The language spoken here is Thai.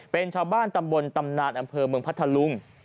เป็นชาวบ้านตำบลตำนานอำเภอเมืองพัทธลุง